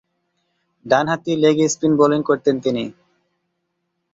ডানহাতি leg spin bowling করতেন তিনি।